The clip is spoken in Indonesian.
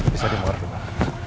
bisa dimengerti pak